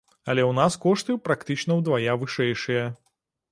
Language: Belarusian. Але ў нас кошты практычна ўдвая вышэйшыя.